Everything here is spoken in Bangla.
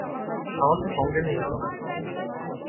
আমাকে সঙ্গে নিয়ে যান!